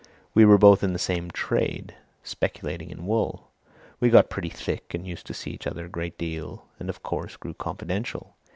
We were both in the same trade speculating in wool. We got pretty thick and used to see each other a great deal, and of course, grew confidential.